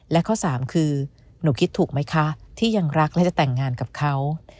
และข้อสามคือหนูคิดถูกไหมคะที่ยังรักและจะแต่งงานกับเขา